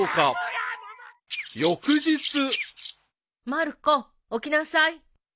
［翌日］まる子起きなさい。